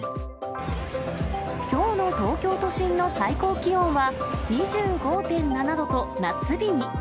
きょうの東京都心の最高気温は２５．７度と、夏日に。